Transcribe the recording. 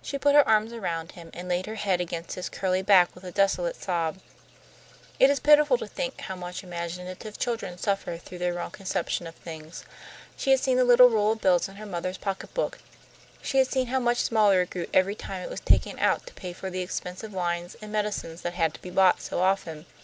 She put her arms around him, and laid her head against his curly back with a desolate sob. It is pitiful to think how much imaginative children suffer through their wrong conception of things. She had seen the little roll of bills in her mother's pocketbook. She had seen how much smaller it grew every time it was taken out to pay for the expensive wines and medicines that had to be bought so often.